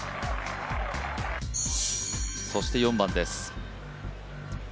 そして４番です。